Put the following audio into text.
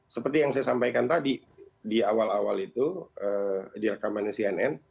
seperti yang saya sampaikan tadi di awal awal itu di rekamannya cnn